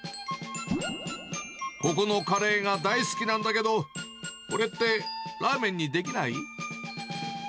ここのカレーが大好きなんだけど、これってラーメンにできない？